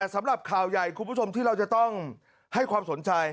สำหรับข่าวใหญ่คุณผู้ชมที่เราจะต้องให้ความสนใจ